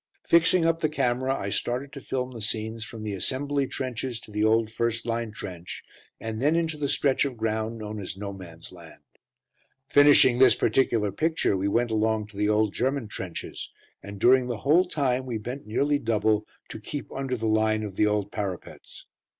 Fixing up the camera, I started to film the scenes from the assembly trenches to the old first line trench, and then into the stretch of ground known as "No Man's Land." Finishing this particular picture, we went along to the old German trenches, and during the whole time we bent nearly double, to keep under the line of the old parapets.